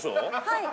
はい。